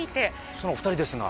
そのお２人ですが。